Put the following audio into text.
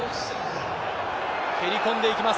蹴り込んでいきます。